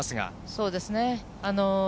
そうですね。